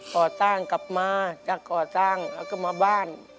ก่อสร้างกลับมาจะก่อสร้างแล้วก็มาบ้าน